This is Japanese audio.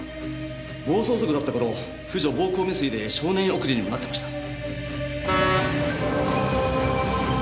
暴走族だった頃婦女暴行未遂で少年院送りにもなってました。